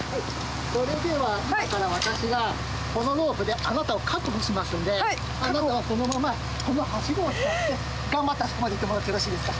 それでは今から私がこのロープであなたを確保しますんであなたはそのままこのはしごを使って頑張ってあそこまで行ってもらってよろしいですか？